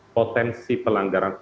potensi pelanggaran hukum